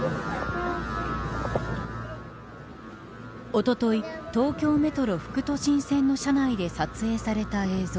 おととい、東京メトロ副都心線の車内で撮影された映像。